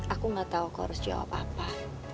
aku ga tau kau harus jawab apa